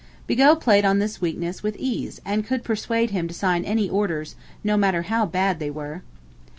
Bigot played on this weakness with ease and could persuade him to sign any orders, no matter how bad they were.